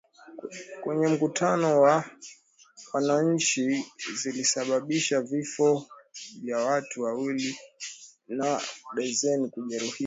kwenye mkutano wa wananchi zilisababisha vifo vya watu wawili na darzeni kujeruhiwa